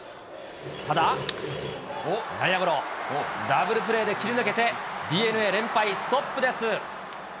ただ、内野ゴロ、ダブルプレーで切り抜けて、ＤｅＮＡ、連敗ストップです。